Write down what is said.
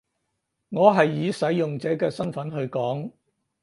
我係以使用者嘅身分去講